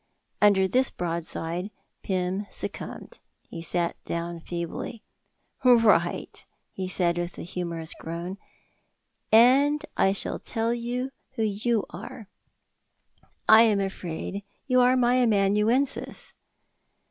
'" Under this broadside Pym succumbed. He sat down feebly. "Right," he said, with a humourous groan, "and I shall tell you who you are. I am afraid you are my amanuensis!"